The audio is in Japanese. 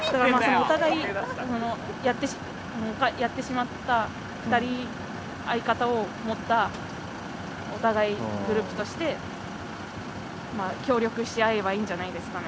お互いやってしまった２人相方を持ったお互いグループとして協力し合えればいいんじゃないですかね。